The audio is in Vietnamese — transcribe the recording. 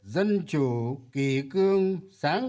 dân chủ kỳ cương